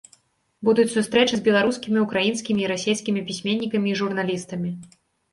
Будуць сустрэчы з беларускімі, украінскімі і расейскімі пісьменнікамі і журналістамі.